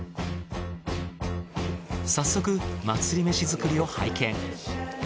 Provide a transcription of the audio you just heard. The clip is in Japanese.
早速祭りめし作りを拝見。